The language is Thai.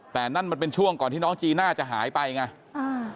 แต่นั่นมันเป็นช่วงก่อนที่น้องจีน่าจะหายไปไงอ่า